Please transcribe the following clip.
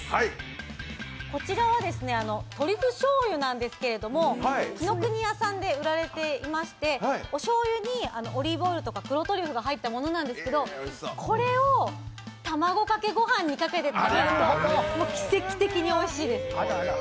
これはトリュフしょうゆなんですけど紀ノ国屋さんで売られていまして、おしょうゆにオリーブオイルとか黒トリュフが入ったものなんですけれども、これを卵かけ御飯にかけて食べると奇跡的においしいです。